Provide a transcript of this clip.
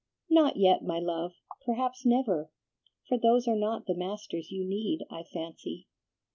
"Not yet, my love, perhaps never, for those are not the masters you need, I fancy.